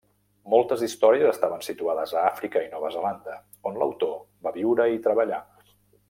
Moltes històries estaven situades a Àfrica i Nova Zelanda, on l'autor va viure i treballar.